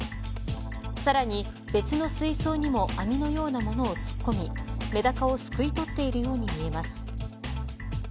さらに、別の水槽にも網のようなものを突っ込みメダカをすくい取っているように見えます。